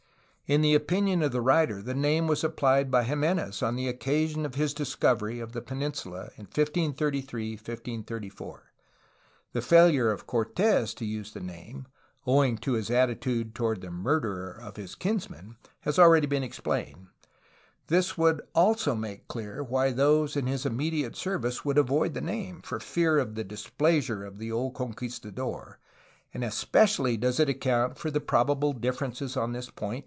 In the opinion of the writer the name was applied by Jime nez on the occasion of his discovery of the peninsula in 1533 1534. The failure of Cortes to use the name, owing to his attitude toward the murderer of his kinsman, has al ready been explained. This would so make clear why those in his immediate service would avoid the name, for fear of the displeasure of the old conquistador, and especially does it account for the probable difference on this point